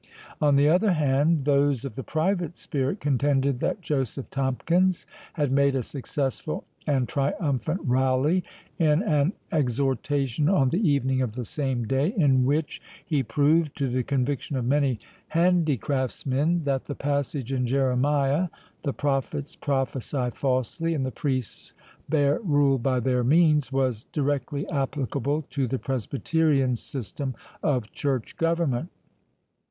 On the other hand, those of the private spirit contended, that Joseph Tomkins had made a successful and triumphant rally, in an exhortation on the evening of the same day, in which he proved, to the conviction of many handicraftsmen, that the passage in Jeremiah, "The prophets prophesy falsely, and the priests bare rule by their means," was directly applicable to the Presbyterian system of church government.